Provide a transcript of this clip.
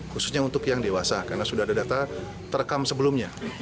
khususnya untuk yang dewasa karena sudah ada data terekam sebelumnya